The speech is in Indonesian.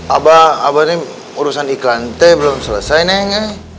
abah abah ini urusan iklan t belum selesai neng